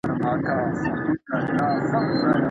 ایا کورني سوداګر بادام پلوري؟